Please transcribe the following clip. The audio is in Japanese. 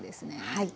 はい。